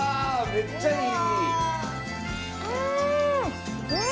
めっちゃいい！